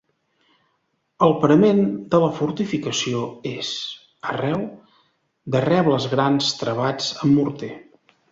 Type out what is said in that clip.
El parament de la fortificació és, arreu, de rebles grans travats amb morter.